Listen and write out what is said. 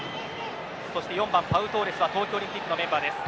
そして４番のパウ・トーレスは東京オリンピックのメンバー。